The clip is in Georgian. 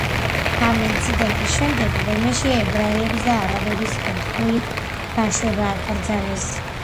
ამ ინციდენტის შემდეგ მღვიმეში ებრაელებისა და არაბების ერთდროული დაშვება აკრძალეს.